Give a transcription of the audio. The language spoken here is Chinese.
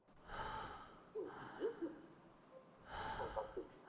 弗朗努瓦。